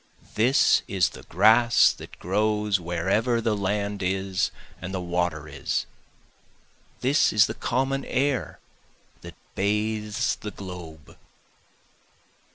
This is the grass that grows wherever the land is and the water is, This the common air that bathes the globe.